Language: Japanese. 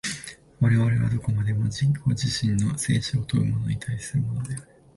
我々はどこまでも自己自身の生死を問うものに対するのである。